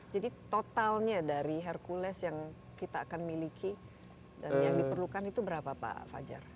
jadi totalnya dari hercules yang kita akan miliki dan yang diperlukan itu berapa pak fajar